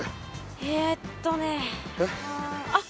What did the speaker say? えっとねうんあっ